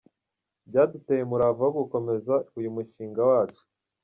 Byaduteye umurava wo gukomeza uyu mushinga wacu.